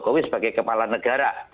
jokowi sebagai kepala negara